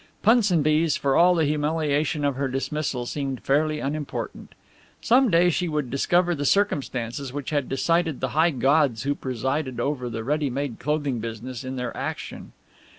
Punsonby's, for all the humiliation of her dismissal, seemed fairly unimportant. Some day she would discover the circumstances which had decided the high gods who presided over the ready made clothing business in their action.